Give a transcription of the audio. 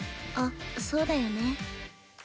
あっそうだよね。